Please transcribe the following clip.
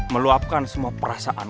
meluapkan semua perasaan